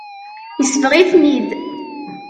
Yesbeɣ-iten-id.